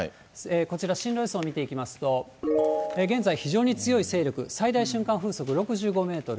こちら、進路予想を見ていきますと、現在、非常に強い勢力、最大瞬間風速６５メートル。